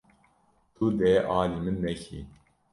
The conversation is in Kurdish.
Tu dê alî min nekî.